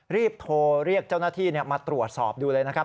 รีบโทรเรียกเจ้าหน้าที่มาตรวจสอบดูเลยนะครับ